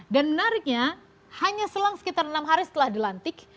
dan menariknya hanya selang sekitar enam hari setelah dilantik